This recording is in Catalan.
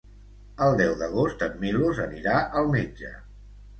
El deu d'agost en Milos anirà al metge.